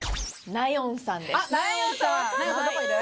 ナヨンさんどこいる？